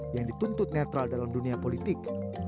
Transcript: yang dituntut netral dalam dunia politik